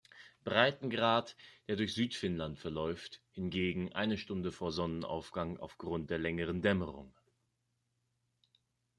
Breitengrad, der durch Südfinnland verläuft, hingegen eine Stunde vor Sonnenaufgang aufgrund der längeren Dämmerung.